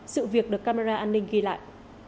sự việc được camera an ninh ghi lại